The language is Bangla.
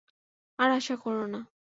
আর আশা কোরো না।